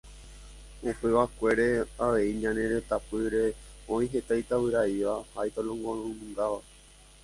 Upevakuére avei ñane retãpýre oĩ heta itavyraíva ha itolongonungáva.